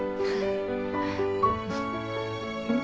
うん。